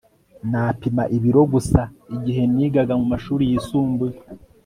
Napima ibiro gusa igihe nigaga mumashuri yisumbuye